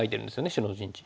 白の陣地。